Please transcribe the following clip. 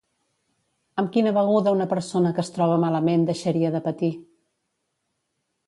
Amb quina beguda una persona que es troba malament deixaria de patir?